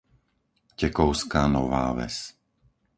Tekovská Nová Ves